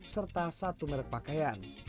serta satu merek pakaian